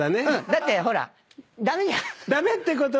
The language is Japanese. だってほらっ駄目じゃん。